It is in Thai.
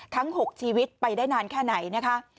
ทั้ง๖ชีวิตไปได้นานแค่ไหนนะคะ